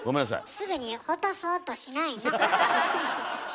すぐに落とそうとしないの。